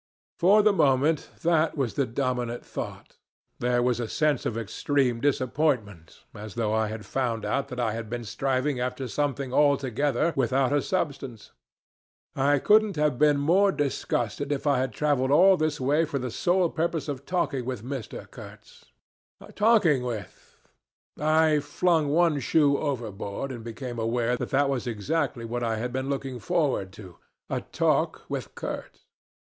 "For the moment that was the dominant thought. There was a sense of extreme disappointment, as though I had found out I had been striving after something altogether without a substance. I couldn't have been more disgusted if I had traveled all this way for the sole purpose of talking with Mr. Kurtz. Talking with. ... I flung one shoe overboard, and became aware that that was exactly what I had been looking forward to a talk with Kurtz.